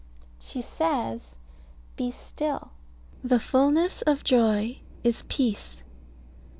She says "Be still. The fulness of joy is peace."